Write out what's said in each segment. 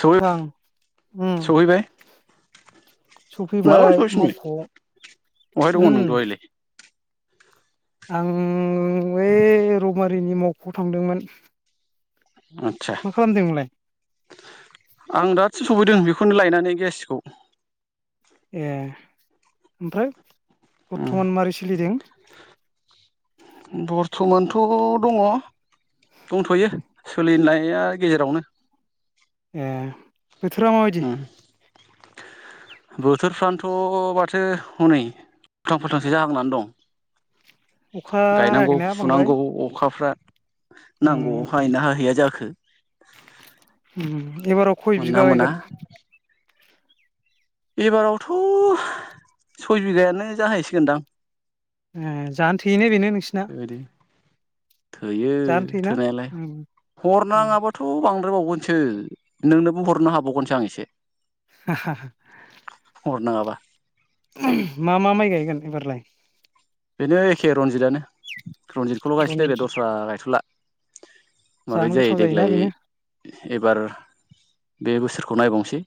सहै आं ओम सहैबाय मालाबा सफैबाय सहैफिनबाय मावख'आव बहाय दङ ओम। नों दहायलाय आं [unintelligible] [unintelligible] मावख'आव थांदोंमोन आदसा मा खालामदों नोंलाय? आं दासो सफैदों बेखौनो लायनानै गेसखौ ए ओमफ्राय बर्थमान मारै सोलिदों? बरथमानथ' दङ दंथ'यो सोलिनाया गेजेरावनो ए बोथोरा मा बायदि? बोथोरफ्रानोथ' माथो हनै उलथां फालथांसो जाहांनानै दं अखा गायनांगौ हायाखैना बांद्राय फुनांगौ अखाफ्रा उम नांगौआव हायोना हाहैया जाखो उम एबाराव खय मोनना बिगा मोना गायगोन एबारावथ' सय बिगायानो जाहैसिगोनदां ए जानो थैयोने बेनो नोंसिना बेबायदि थोयो जानो थैयोना थोनायालाय उम हर उम नाङाबाथ' बां द्रायबावगोनसो नोंनोबो हरनो हाबावगोनसो आं एसे [unintelligible] हरनाङाबा मा मा माइ गाय गोन एबारलाय बेनो एखे रनजिदानो रनजितखौल' गायसै देगलाइ रनजित दस्रा गायथ'ला जानो माबायदि जायो गोथाव जायोना देग्लाय बेनो एबार बे बोसोर खौ नायबावनसै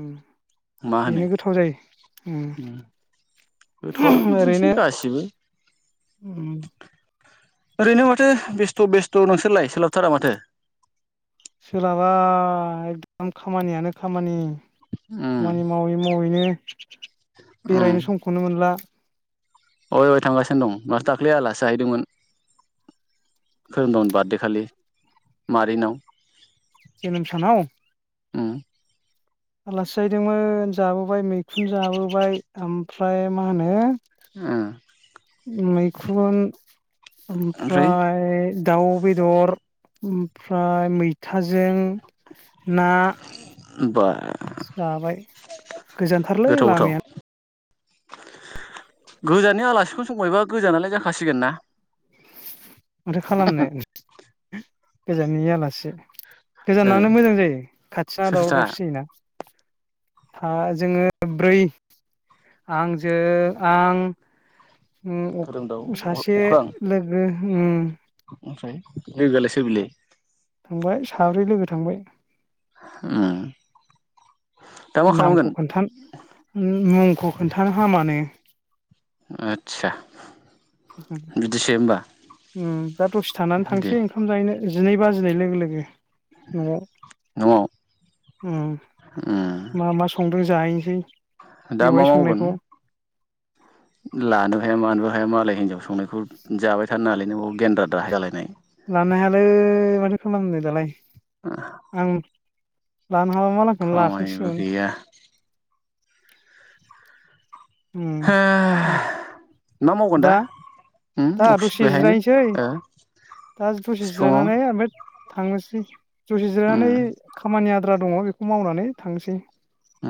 ओम बेनो गोथाव जायो ओम गोथावआथ' बिदिनोसै गासिबो उम ओरैनो माथो बेस्थ' बेस्थ' नोंसोरलाय सोलाबथारा माथो सोलाबा एकदम खामानियानो खामानि उम खामानि मावै मावैनो बेरायनो समखौनो मोनला अहाय अहाय थांगासिनो दं माथो दाख्लै आलासि जाहैदोंमोन खोरोमदावनि बार्थडे खालि मादैनाव जेनोम सानाव ओम आलासि जाहैदोंमोन जाबोबाय मैखुन जाबोबाय ओमफ्राय मा होनो ओम मैखुन ओमफ्राय दाउ बेदर ओमफ्राय मैथाजों ना बा जाबाय गोजानथारलै गोथाव गोथाव लामायानो गोजाननि आलासिखौनो संबायबा गोजानालाय जाखासिगोन ना माथो खालामनो गोजाननि आलासि ओ गोजानानो मोजां जायो खाथिना सोर सोर दावराव था दावसि जायोना हा जोङो ब्रै आंजो आं ओम खोरोमदाव अक अ सासे अख्रां लोगो ओम ओमफ्राय लोगोआलाय सोर बिलाय थांबाय साब्रै लोगो थांबाय ओम नामखौ खोन्थान ओम मुं खौ खोन्थानो हामानो आछचा बिदिसो होमबा ओम दा दसे थानानै दे थांसै ओंखाम जाहैनो जिनै बाजिनाय लोगो लोगो न'आव उम ओम मा मा संदोज जायैनसै दा मा मावगोन लानो हाया मानबो हा आफाया मालाय हिनजाव संनायखौ जाबाय थ थान ननानै लायनोबाव गेन्द्रा दाहाय जालायनाय। लनो हायालय माथो खालामनो दालाय। आ आं लानो हाबा मालांखौनो लाखांसिगोन। गैया हो ओम मा मावगोन दा उम दा अफिस दसे बेहायनो जिरायनोसै ओ दा दसे सिफुङाव जिरायनानै ओमफ्राय थांनोसै। दसे उम जिरायनानै खामानिया आद्रा दङ बेखौ मावनानै थांसै।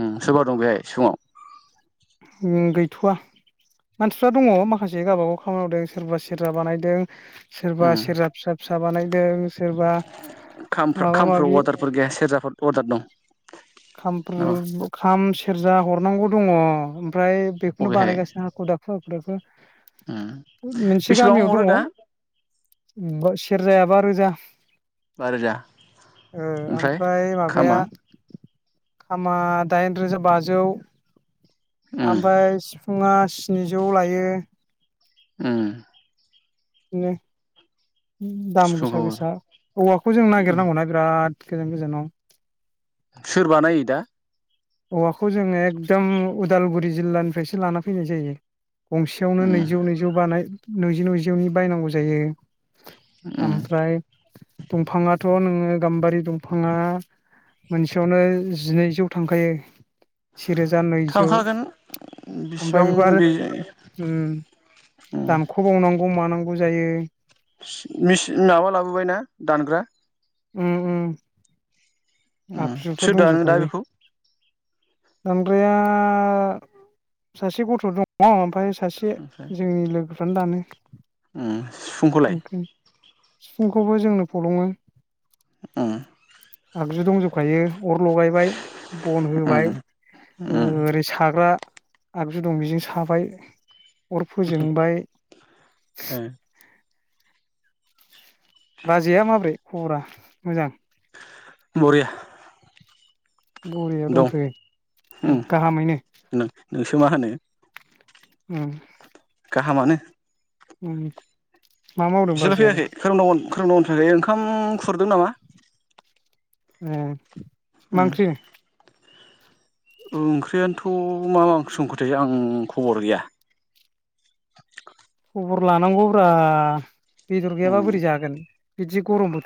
ओम सोरबा दं बेहाय सिफुंवाव। गैथ'वा मानसिफ्रा दङ माखासे गावबागाव खामानि मावदों सोरबा सेरा बानायदों। सोरबा उम सेरजा फिसा फिसा बानायदों सोरबा खामफ्रा माबा खामफ्राव माबि अर्डारफोर गैया सेरजाफोर अर्डार दं नामा खाम सेरजा हरनांगौ दङ। ओमफ्राय बेखौनो बबेहाय बानायगासिनो हाखु दाखु। उम [inaudible] मोनसे बेसेबां गामियाव हरो दङ। दा सेर जायाबा रोजा। बा रोजा ओ ओमफ्राय माबाया। खामा खामा दाइन रोजा बाजौ। उम ओमफ्राय सिफुुङा स्निजौ लायो। उ। [inaudible] दाम गोसा सिफुंखौ गोसा औवाखौ जों नागिरनांगौना बिराद। गोजान गोजानाव। सोर बानायो दा। औवाखौ जोङो एकदम उदालगुरि जिल्लानिफ्रायसो लाना फैनाय जायो। गंसेयावनो उम नैजौ नैजौ बानाय। नैजि नैजिवनि बायनांगौ जायो। उम ओमफ्राय। दंफाङाथ' नोङो गामबारि दंफाङा मोनसेयावनो जिनैजौ थांखायो। सेरोजा नैजौ थांखागोन ओमफ्राय बिसिबां बेखौ आरो बे उ उम दानख'बावनांगौ मानांगौ। खौ जायो। चिन मिचिन माबा लाबोबाय ना दानग्रा। [inaudible] उ आगजुफोर सोर दाननो दा बेखौ दानग्राया सासे गथ' दङ ओमफ्राय सासे जोंनि लोगो फ्रानो दानो ओम सिफुंखौलाय ओमफ्राय सिफुंखौबो जोंनो फलङो [inaudible] आगजु दंजोबखायो अर लगायबाय बन उम होबाय उम ओरै साग्रा आगजु दं बेजों साबाय अर फोजोंबाय ओ बाजैया माब्रै खबरा मोजां बरिया बरियाव दं दंथ'यो गाहामैनो नोंसो मा होनो। उम। गाहामआनो। उम। मा मावदों एसोर लाइ बाजैयालाय फैयाखै खोरोमदाव मोन खोरोमदाव फैयाखै ओंखाम खुरदों नामा? ए। मा उम ओंख्रि। ओंख्रियानोथ' मा मा संखोथाय आं खबर गैया। खबर लानांगौब्रा। बेदर उम गैयाबा बोरै जागोन। बिदि गरम बो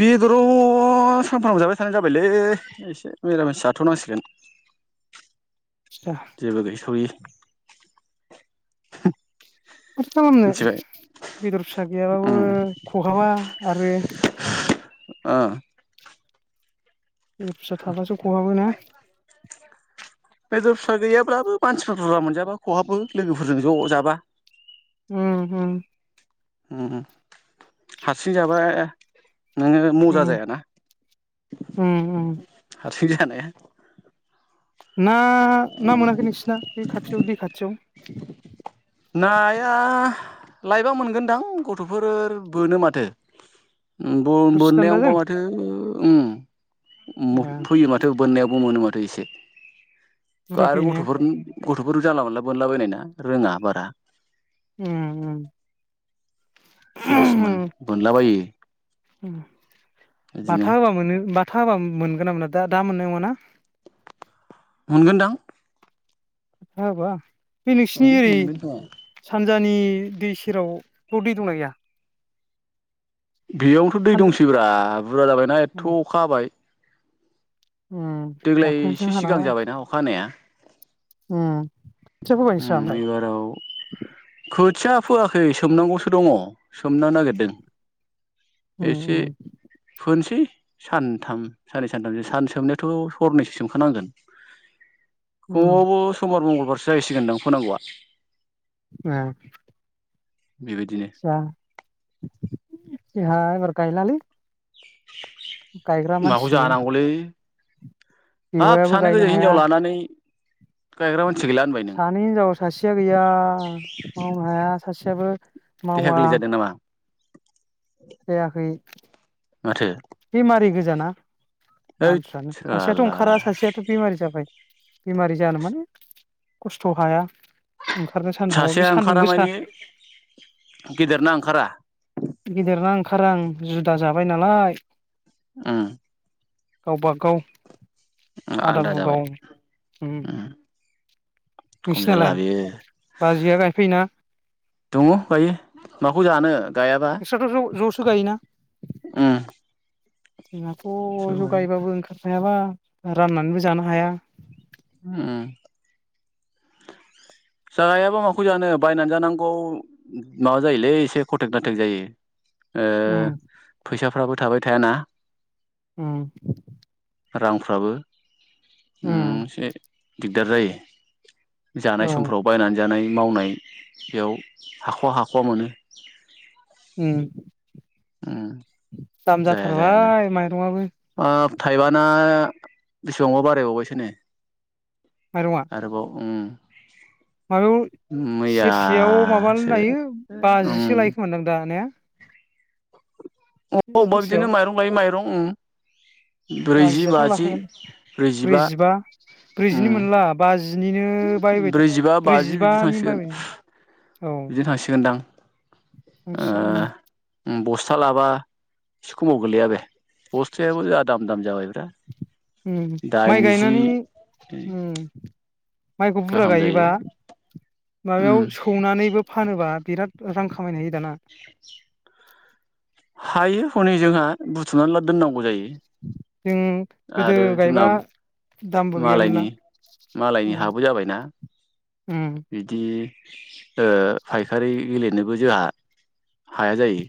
बेदराव सानफ्रामबो जाबाय थानायजाबायलै एसे मिरामिस जाथ'नांसिगोन। जेबो गैस'यि माथो खालामनो मिथिबाय बेदर फिसा गैयाबाबो उम खहाबा आरो ओ। बे फिसा थाबासो खहाबोना। बेदर फिसा गैयाब्लाबो मानसिफोर बुरजा मोनजाबा खहाबो लोगोफोरजों ज' जाबा। उम उम। उम हारसि जाबा नोङो मजा उम जायाना। उम उम हारसिंजो जानाया ना ना मोनाखै नोंसिना बे खाथियाव दै खाथियाव नाया लायबा मोनगोनदां गथ'फोर बोनो माथो। बोन थोरसि बोननायावबा दान्दाजों माथो उम। उम ए फैयो माथो बोननायाबबो मोनो माथ ओयसे बुरजा गारु फैयोने गथ'फोरनि गथ'फोर जानला मोनला बोनलाबायनाय ना रोङा बारा। उम उम सहसमोन बोनलाबायो बिदिनो बाथा होआ मानो बाथ था हाबा मोनगोन ना मोना दा मोननाय नङा ना? मोनगोनदां। अखा हाबा बे उम नोंसिनि ओरै मोनगोन खोमा सान फुजानि दै सेराव बेयाव दै दंना गैया? बेयावथ' दै सानजा दंसै ब्रा बुरजा जाबायना उम एथथ' अखा हाबाय। उम देग्लाय दाख्लैसो एसे सिगां हानाय जाबायना अखा हानाया? उम खोथिया फोबाय नोंस्रा उम ओमफ्राय? एबाराव खोथिया फोआखै सोमनांगौसो दङ। सोमनो नागिरदों उम एसे उम फोनसै सानथाम साननै सानथामसो सान सोमनोथ' हरनैसो सोमखानांगोन। उम [unintelligible] समबार मंगल जाहैसिगोनदां फोनांगौआ। आ बेबायदिनो। जोहा एबार गायला लै। [inaudible] माखौ गैया जानांगौलै? हाब बेवायाबो सानै गायनो गोजो हाया हिनजाव लानानै गायग्रा मान सानै हिनजाव सासेया गैया मावनो हाया सासे बिसाबो देहाया गोरलै जादों नामा? जायाखै माथो बेमारि गोजाना हैद मानसिफ्रानो सासेयाथ' साला ओंखारा सासेयाथ' बेमारि जाबाय बेमारि जानो माने खस्थ' हाया ओंखारनो सान्दुंआव बे सासेया सान्दुं ओंखारा गोसा मायने गेदेर ना ओंखारा गेदेरना ओंखारा ओं जुदा जाबाय नालाय ओं गावबागाव आदा आलदा बुगाव जाबाय उम खम जाला नोंसिनालाय बियो बाजैया गायफैयोना दङ' गायो माखौ जानो गायाबा [unintelligible] गायोना उम जोंहाथ ज उम गायबाबो ओंखारफायाबा राननानैबो जानो हाया उम जायाबा माखौ जानो बायनानै जानांगौ माबा जायोलै एसे [unintelligible] जायो ओ उम फैसाफ्राबो थाबाय थायाना उम रांफ्राबो उम एसे दिग दार जायो औ जानाय स माव बायनानै जानाय मावनाय बेयाव हाखवा हाखवा मोनो उम उम दाम जाया जायानो जाथारबाय माइरङाबो हाब थाइबाना बेसेबांबा बारायबावबायसो नो माइरङा आरोबाव उम [inaudible] माबायाव सेरसेयाव माबानो मैयासो लायो बाजिसे उम लायोखोमोनदां दा ने [unintelligible] अबा बिदिनो सेरसेयाव माइरं लायै माइरं उम ब्रैजि बाजियाथ बाजि लाखागोन ब्रैजिबा उम ब्रैजिनि मोनला बाजि ब्रैजिबा बाजि बिदि थांसिगोन बायबाय बिदि थांसिगोनदां ओ थांसिगोन उम उम बस्था लाबा एसे खमाव गोलैया बे बस्थायाबो जा दाम दाम जाबाय बे उम माइ गायनानै उम माइखौ बुरजा गाहाम जायो गायोबा उम माबायाव सौनानैबो फानोबा बिराद रां खामायनो हायो दाना [inaudible] हायो हनै जोंहा बुथुमनानै ला दोननांगौ जायो जों गोदो आरो जोंना गायबा दामबो गैयामोन मालायनि ना मालायनि उम हाबो जाबायना उम बिदि [inaudible] ओ फायखारि [unintelligible] नोबो जोहा हाया जायो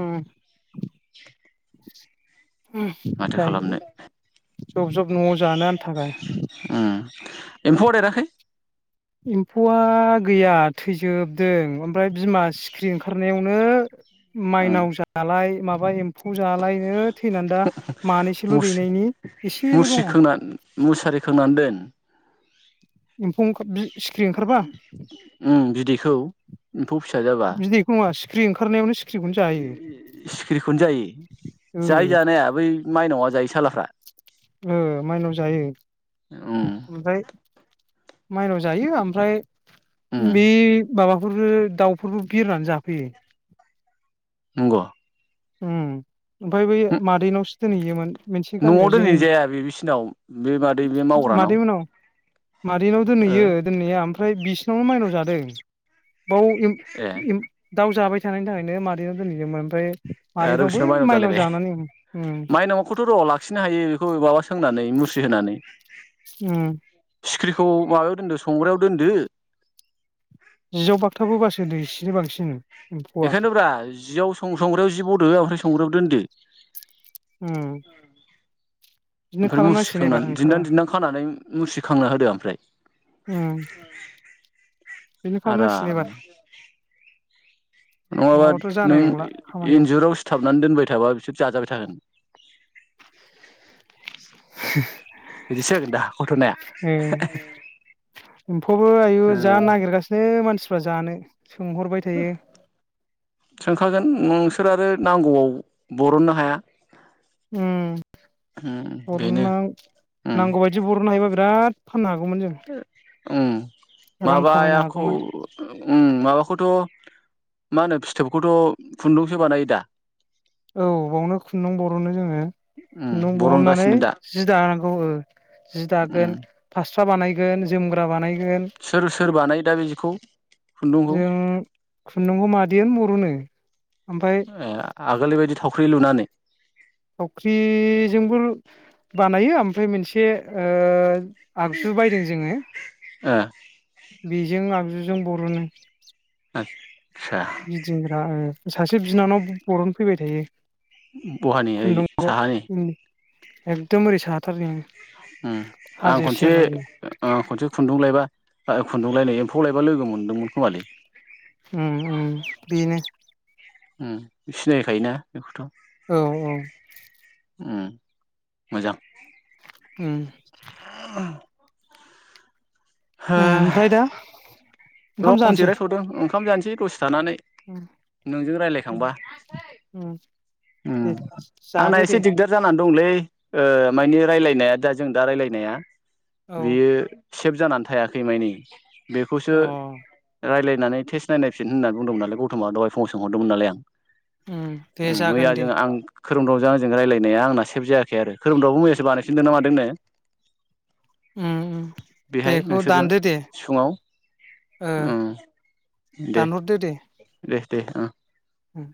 उम [inaudible] ओम माथो जायोलै खालामनो जब जब न'आव जानो आन्था गा उम एम्फौआ देराखै एम्फौआ गैया थैजोबदों ओमफाय बिमा सिखिरि ओंखारनायाव मो उम माइनाव जालाय माबा एम फौ जालायनो थैनानै दा मानैसोल' मुस्रि दैनायनि एसेल' मुस्रि दङ खोंना मुसारि [inaudible] सिखिरि ओंखारबा ओम बिदैखौ एम्फौ फिसा जाबा बिदैखौ नङा सिखिरि ओंखारनायावनो सिखिरिखौनो जायो सिखिरिखौनो जायो जायो ओ जानाया बै माइनावआ जायो सालाफ्रा ओ माइनाव जायो उम ओमफाय माइनाव जायो आमफ्राय उम बे माबाख रो दाउफोरबो बिरनानै जाफैयो नंगौ ओम ओमफाय बै मादैनावसो दोनहैयोमोन मोनसे न'आव गामियाव दोनैनाय जोंनि जाया बे बिसिनाव बे मादै बे मावग्रानाव मादैमोननाव मादैनाव ओ दोनहैयो दोननाया आम ओमफ्राय बिसिनावनो माइनाव जादों औ इम ए इम दाउ जाबाय थानायनि थाखायनो मादैनाव दोनहैयोमोन आमफाय आरो बिसिनाव माइनाव जालायबाय माइनावखौथ' र' लाखिनो हायो इखौ माबा सोंनानै मुस्रि होनानै उम सिख्रिखौ माबायाव दोनदो संग्रायाव दोनदो जिआव बाथाब होबासो दैसेनि बांसिन एम्फौआ मफ्राय संग्रायाव दोनदो उम बिदिनो ओमफ्राय खालामनांसिगोन एबार मुसिखांनानै ओंखारबा दिन्दां दिन्दां खानानै मुसिखांना होदो ओमफ्राय बिनिफ्राय नां आरामनो सनिबार नङाबा नों खामानिया इन्जुराव सिथाबनानै दोनबाय थाबा बिसोर जाजाबाय थागोन [inaudible] बिदिसो जागोन दा घथ'नाया [inaudible] ए एम्फौबो आयु जा नागिरगासिनो मानसि प्रजानो सोंहरबाय थायो। सोंखागोन नोंसोर आरो नांगौ आव बरननो हाया। होम उम बेनो बरननो उम नांगौबायदि बरननो हायोबा बिराद फानना गौमोन जों। ओम। रां माबा खामायनो याखौ हागौमोन ओम माबाखौथ' मा होनो फिथोबखौथ' खुन्दुंसो बानायो दा? औ बावनो खुन्दुं बरनो जोङो, उम खुन्दुं बहननानै बरनगासिनो दा जि दानांगौ ओ जि उम दागोन फास फास्रा बानायगोन जोमग्रा बानायगोन सोर सोर बानायो दा बेखौ खुन्दुंखौ? बेयोन बर'नो। ओमफ्राय ए आगोल बेबायदि थावख्रि लुनानै? थावख्रि जोंबो बानायो ओमफ्राय मोनसे ओ आगजु बायदों जोङो ओ बेजों आगजु जों बर'नो ओ। गिदिंग्रा ओ सासे बिनानाव बरन फैबाय थायो। बहानि ओरै खुन्दुं साहानि? एकदम ओरै साहाथारनि ओं। ओम आं खनसे ओ खनसे खुन्दुं लायबा अ खुन्दुंलायनो एम्फौ लायबा लोगो मोन दोंमोन खोमालै। उम उम बिनो। ओ सिनाय खायोना बेखौथ'। औ औ। ओम मोजां। ओम। [inaudible] हो ओ ओमफ्राय दा? ओंखाम दं जिरायथ'दों। ओंखाम जानसै दसे थानानै। ओ नोंजों ओ रायलायखांबा ओ उम दे आंना जादो दे। एसे दिगदार जानानै दंलै ओ मानि रायलायनाया दा जों दा रायजलायनाया। औ बियो। सेब जानानै थायाखै मायनि बेखौसो अ रायज्लायनानै टेस्ट नायनायफिन होननानै बुंदोंमोन नालाय गौथ'मा दहाय फुङाव सोंहरदोंमोन नालाय आं दे उम मैया जागोन दे जों आं खोरोमदावजों आंजों रायल्लायनाया आंना सेफ जायाखै आरो खोरोमदावबो मैयासो बानायफिनदोंना मादोंनो। ओम ओम बेहाय देखौ नोंसोरजों दानदो दे। सिफुङाव ओ उम दानहरदो दे। दे दे ओं उम